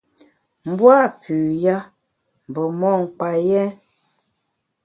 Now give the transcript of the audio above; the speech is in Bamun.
M’bua’ pü ya mbe mon kpa yèn.